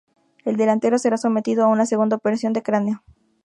El delantero será sometido a una segunda operación de cráneo.